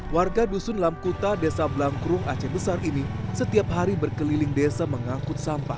warga dusun lamkuta desa blangkrum aceh besar ini setiap hari berkeliling desa mengangkut sampah